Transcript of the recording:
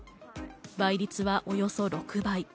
倍率はおよそ６倍。